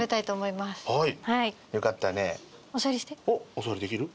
お座りできる？